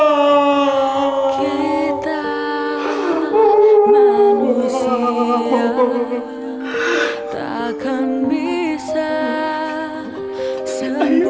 mereka kesini mengakunisi mama ngedoain mama mereka sudah maafin kita